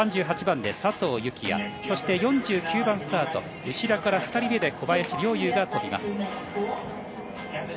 ３８番で佐藤幸椰そして４９番スタート後ろから２人目で小林陵侑が飛びます。